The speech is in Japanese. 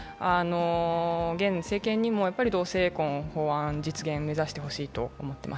現政権にも同性婚法案実現を目指してほしいと思っています。